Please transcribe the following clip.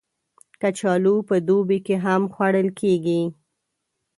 کچالو په دوبی کې هم خوړل کېږي